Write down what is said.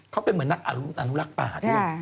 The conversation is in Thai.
เขาเป็นเหมือนนักอนุรักษ์ป่าด้วย